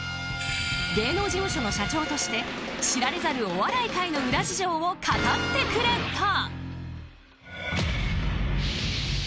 芸能事務所の社長として知られざるお笑い界の裏事情を語ってくれた。